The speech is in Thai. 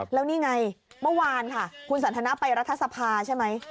แล้วนี่ไงเมื่อวานค่ะคุณสันทนาไปรัฐสภาใช่ไหม